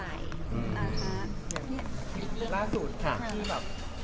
ล่าสุดปฏิบัติความผึ้นสุขหาวที